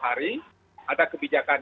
hari ada kebijakan